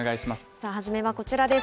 さあ初めはこちらです。